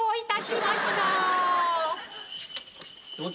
どうぞ。